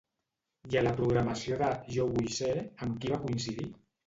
I a la programació de Jo vull ser, amb qui va coincidir?